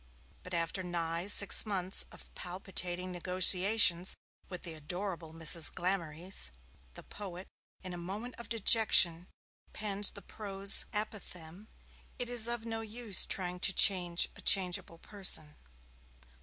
But after nigh six months of palpitating negotiations with the adorable Mrs. Glamorys, the poet, in a moment of dejection, penned the prose apophthegm, 'It is of no use trying to change a changeable person.'